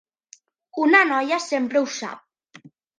Una noia sempre ho sap.